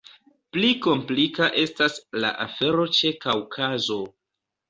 Pli komplika estas la afero ĉe Kaŭkazo.